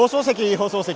放送席。